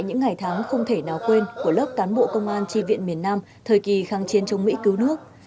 những ngày tháng không thể nào quên của lớp cán bộ công an tri viện miền nam thời kỳ kháng chiến chống mỹ cứu nước